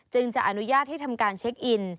จะอนุญาตให้ทำการเช็คอิน